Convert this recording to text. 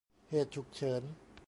เหตุฉุกเฉิน